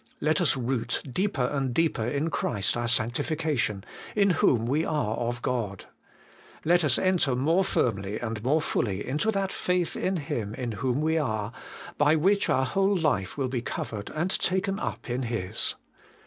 Let us root deeper and deeper in Christ our sanctification, in whom we are of God. Let us enter more firmly and more fully into that faith in Him in whom we are, by which our whole life will be covered and taken up in His.